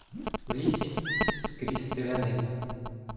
В лісі — скрізь стрілянина.